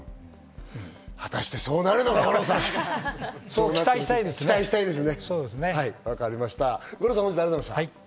果たしてそうなるのかな、そう期待したいですね。